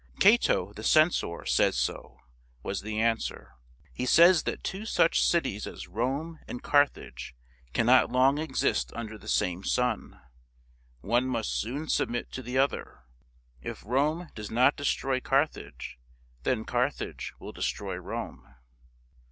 " Cato the Censor says so," was the answer. " He says that two such cities as Rome and Carthage cannot long exist under the same sun. One must soon submit to the other. If Rome does not destroy Carthage, then Carthage will destroy Rome."